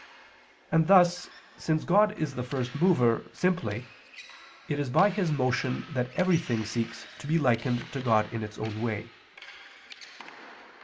And thus since God is the First Mover, simply, it is by His motion that everything seeks to be likened to God in its own way.